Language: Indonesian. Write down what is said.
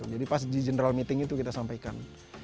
jadi pas di general meeting itu kita sampaikan